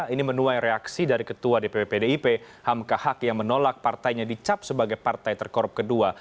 ini menuai reaksi dari ketua dpp pdip hamkahak yang menolak partainya dicap sebagai partai terkorup kedua